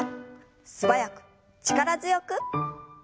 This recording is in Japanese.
素早く力強く。